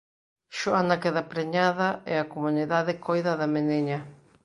Xoana queda preñada e a comunidade coida da meniña.